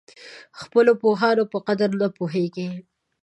خپلو پوهانو په قدر نه پوهېږي.